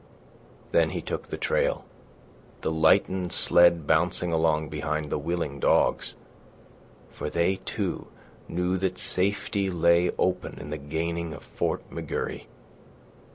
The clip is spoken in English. Then he took the trail, the lightened sled bounding along behind the willing dogs; for they, too, knew that safety lay open in the gaining of Fort McGurry.